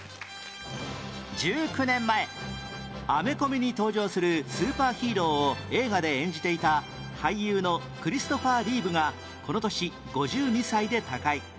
１９年前アメコミに登場するスーパーヒーローを映画で演じていた俳優のクリストファー・リーブがこの年５２歳で他界